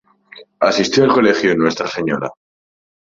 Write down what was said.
Asistió al Colegio Nuestra Sra.